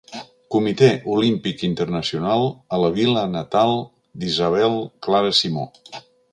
Comitè Olímpic Internacional a la vila natal d'Isabel Clara-Simó.